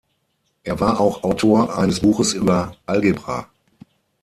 Er war auch Autor eines Buches über Algebra.